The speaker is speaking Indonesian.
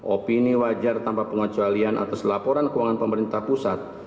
opini wajar tanpa pengecualian atas laporan keuangan pemerintah pusat